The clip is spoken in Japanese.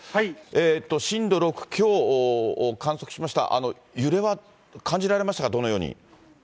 震度６強を観測しました、揺れは感じられましたか、どのように。